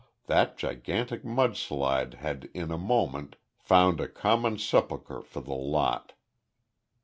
That gigantic mud slide had in a moment found a common sepulchre for the lot.